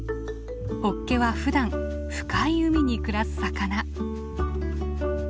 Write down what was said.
ホッケはふだん深い海に暮らす魚。